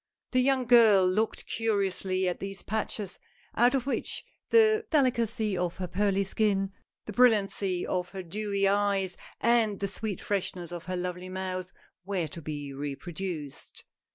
The young girl looked curiously at these patches, out of wliich the delicacy of her pearly skin, the brilliancy of her dewy eyes, and the sweet freshness of her lovely mouth were to be reproduced.